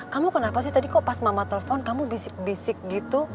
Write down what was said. kamu kenapa sih tadi kok pas mama telepon kamu bisik bisik gitu